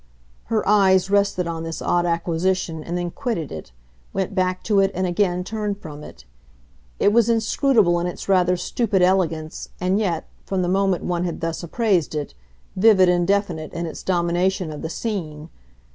Her eyes rested on this odd acquisition and then quitted it, went back to it and again turned from it: it was inscrutable in its rather stupid elegance, and yet, from the moment one had thus appraised it, vivid and definite in its domination of the scene.